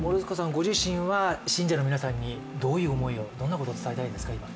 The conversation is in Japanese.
ご自身は信者の皆さんにどんなことを伝えたいですか、今。